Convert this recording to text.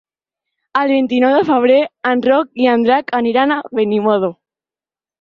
El vint-i-nou de febrer en Roc i en Drac aniran a Benimodo.